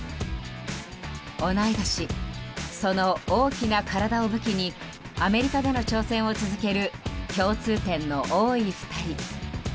同い年、その大きな体を武器にアメリカでの挑戦を続ける共通点の多い２人。